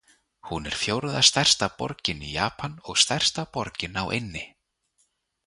Hún er fjórða stærsta borgin í Japan og stærsta borgin á eynni.